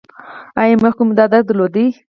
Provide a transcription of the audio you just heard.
ایا مخکې مو دا درد درلود؟